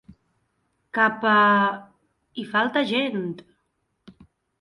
Cap a... hi falta gent!